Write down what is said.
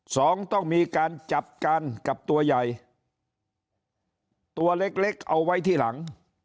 สองต้องมีการจัดการกับตัวใหญ่ตัวเล็กเล็กเอาไว้ที่หลัง